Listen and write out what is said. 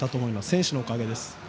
選手のおかげです。